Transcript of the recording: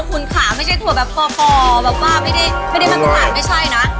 คุณขาไม่ใช่ถั่วแบบพอแบบว่าไม่ได้ไม่ได้ไม่ใช่นะ